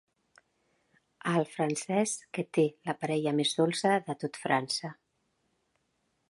El francès que té la parella més dolça de tot França.